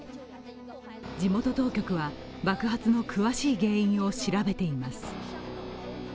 地元当局は爆発の詳しい原因を調べています。